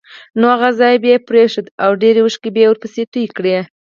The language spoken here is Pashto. نو هغه ځای به یې پرېښود او ډېرې اوښکې به یې ورپسې تویې کړې.